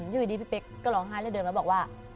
อยู่ดีพี่เป๊กก็ร้องไห้เรื่อยแล้วบอกว่า